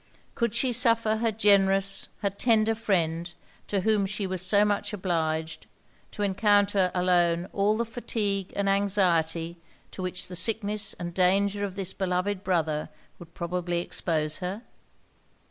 Could she suffer her generous, her tender friend, to whom she was so much obliged, to encounter alone all the fatigue and anxiety to which the sickness and danger of this beloved brother would probably expose her?